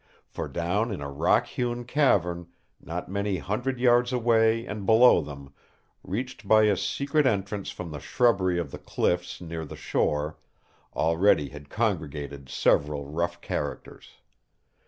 For, down in a rock hewn cavern, not many hundred yards away and below them, reached by a secret entrance from the shrubbery of the cliffs near the shore, already had congregated several rough characters.